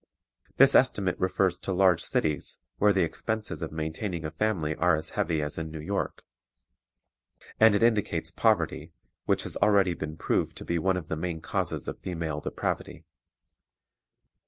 This estimate refers to large cities, where the expenses of maintaining a family are as heavy as in New York, and it indicates poverty, which has already been proved to be one of the main causes of female depravity.